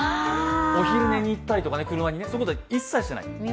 お昼寝に行ったりとか、車にとかそういうことは一切していない。